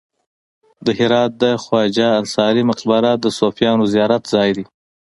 د هرات د خواجه انصاري مقبره د صوفیانو زیارت ځای دی